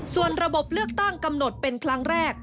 ส่วนระบบเลือกตั้งกำหนดเป็นครั้งแรก